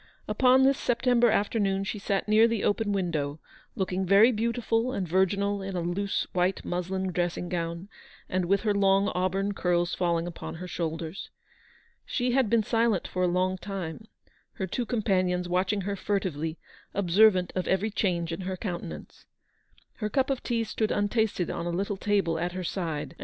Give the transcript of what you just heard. Upon this September afternoon she sat near the open window, looking very beautiful and virginal in a loose white muslin dressing gown, and with her long auburn curls falling upon her shoulders. She had been silent for a long time: her two companions watching her furtively, observant of every change in her countenance. Her cup of tea stood untasted on a little table at her side, and VOL.